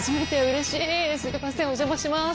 お邪魔します。